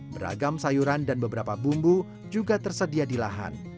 beragam sayuran dan beberapa bumbu juga tersedia di lahan